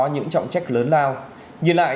những trọng trách lớn lao nhìn lại